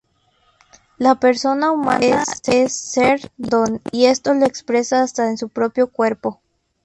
La persona humana es "ser-don" y esto lo expresa hasta en su propio cuerpo.